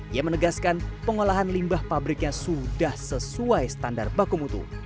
ia menegaskan pengolahan limbah pabriknya sudah sesuai standar bakumutu